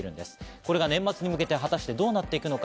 これが年末に向けて、果たしてどうなっていくのか？